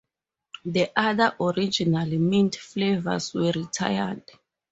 The other original mint flavors were retired.